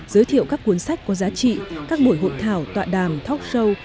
giới thiệu các cuốn sách có giá trị các buổi hội thảo tọa đàm talk show